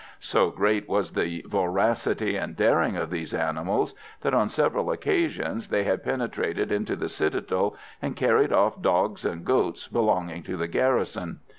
So great was the voracity and daring of these animals that on several occasions they had penetrated into the citadel and carried off dogs and goats belonging to the garrison.